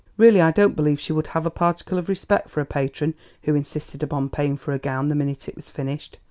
Really, I don't believe she would have a particle of respect for a patron who insisted upon paying for a gown the minute it was finished.